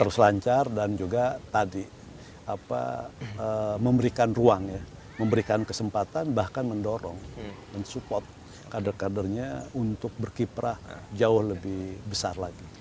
harus lancar dan juga tadi memberikan ruang ya memberikan kesempatan bahkan mendorong mensupport kader kadernya untuk berkiprah jauh lebih besar lagi